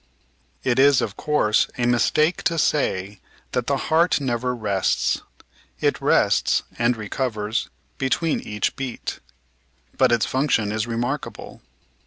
It is, of course, a mistake to say that the heart never rests. It rests, and recovers, between each beat. But its function is remarkable.